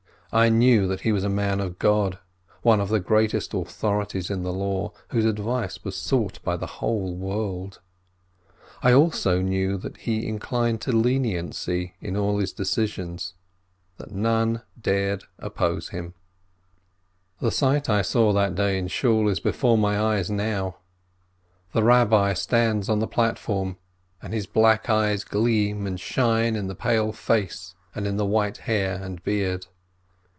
I knew he was a man of God, one of the greatest authori ties in the Law, whose advice was sought by the whole world. I knew also that he inclined to leniency in all his decisions, and that none dared oppose him. 274 FRISCHMANN" The sight I saw that day in Shool is before my eyes now. The Eabbi stands on the platform, and his black eyes gleam and shine in the pale face and in the white hair and beard.